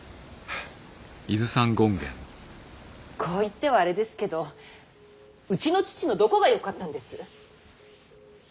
こう言ってはあれですけどうちの父のどこがよかったんです。